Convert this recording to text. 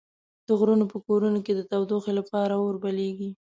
د غرونو په کورونو کې د تودوخې لپاره اور بليږي.